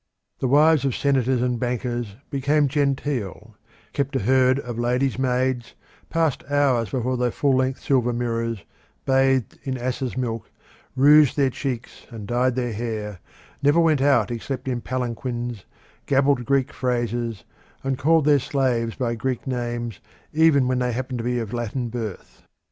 The wives of senators and bankers became genteel, kept a herd of ladies' maids, passed hours before their full length silver mirrors, bathed in asses' milk, rouged their cheeks and dyed their hair, never went out except in palanquins, gabbled Greek phrases, and called their slaves by Greek names even when they happened to be of Latin birth.